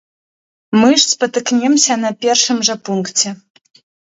Мы ж спатыкнемся на першым жа пункце!